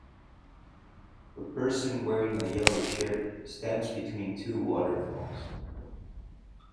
A person wearing a yellow shirt stands between two waterfalls.